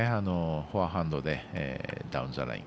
フォアハンドでダウンザライン。